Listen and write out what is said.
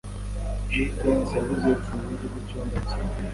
Jivency yabuze urufunguzo rw'icyumba cye.